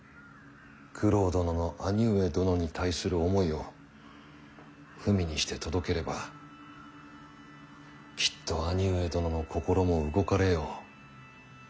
九郎殿の兄上殿に対する思いを文にして届ければきっと兄上殿の心も動かれよう。